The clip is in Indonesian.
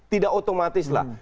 tidak otomatis lah